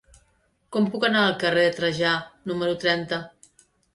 Com puc anar al carrer de Trajà número trenta?